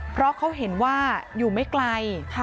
เพราะเขาเห็นว่าอยู่ไม่ไกล